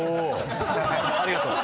ありがとう。